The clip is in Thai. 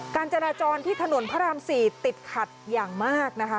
การจราจรที่ถนนพระราม๔ติดขัดอย่างมากนะคะ